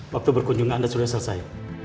waktu berkunjungan sudah selesai